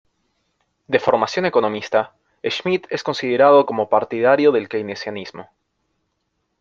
De formación economista, Schmidt es considerado como partidario del keynesianismo.